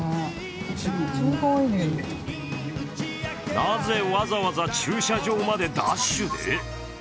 なぜわざわざ駐車場までダッシュで？